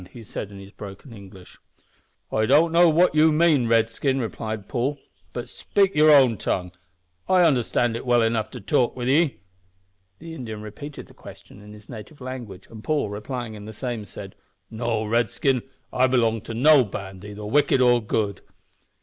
he said, in his broken English. "I don't know what ye mean, Redskin," replied Paul; "but speak your own tongue, I understand it well enough to talk with ye." The Indian repeated the question in his native language, and Paul, replying in the same, said "No, Redskin, I belong to no band, either wicked or good."